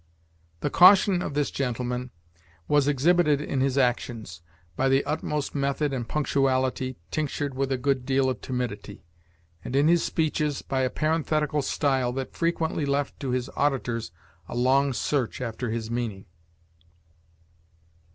The caution of this gentleman was exhibited in his actions, by the utmost method and punctuality, tinctured with a good deal of timidity; and in his speeches, by a parenthetical style, that frequently left to his auditors a long search after his meaning.